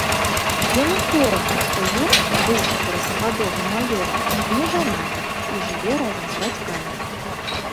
Яму сорамна, што ён, быўшы саракагадовым маёрам, не жанаты і жыве разам з бацькамі.